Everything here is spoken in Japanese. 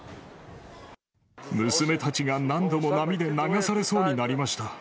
娘たちが何度も波で流されそうになりました。